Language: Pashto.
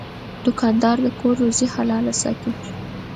دوکاندار د کور روزي حلاله ساتي.